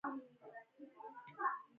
د ارومیې جهیل د وچیدو په حال کې دی.